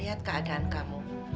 lihat keadaan kamu